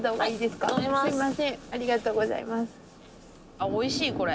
あおいしいこれ。